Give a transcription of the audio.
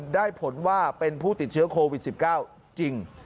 ได้ผลว่าเป็นผู้ติดเชื้อโควิด๑๙จริง